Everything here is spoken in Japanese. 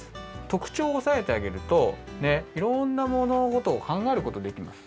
とくちょうをおさえてあげるといろんなものごとをかんがえることできます。